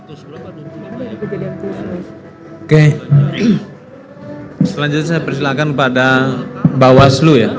oke selanjutnya saya persilakan kepada mbak waslu ya